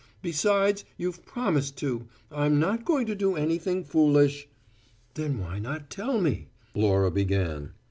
Besides, you've promised to. I'm not going to do anything foolish " "Then why not tell me?" Laura began.